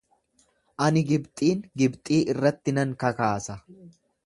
Ani Gibxiin Gibxii irratti nan kakaasa.